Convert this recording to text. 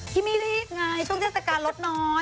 ที่มีรีบไงช่วงเช็คตะการรถน้อย